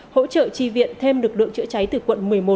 hỗ trợ chi viện thêm lực lượng chữa cháy từ quận một mươi một